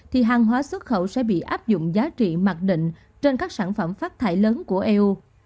thì hàng hóa xuất khẩu sẽ bị áp dụng giá trị mặt định trên các sản phẩm phát thải lớn của eu